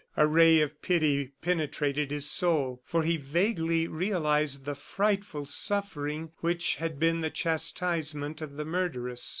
A ray of pity penetrated his soul, for he vaguely realized the frightful suffering which had been the chastisement of the murderess.